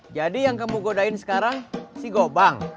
jadi yang kamu godain sekarang si gobang